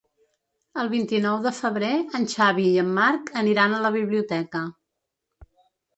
El vint-i-nou de febrer en Xavi i en Marc aniran a la biblioteca.